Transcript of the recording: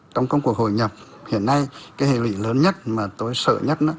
trong công cuộc hội nhập hiện nay cái hệ lụy lớn nhất mà tôi sợ nhất